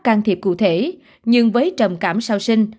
can thiệp cụ thể nhưng với trầm cảm sau sinh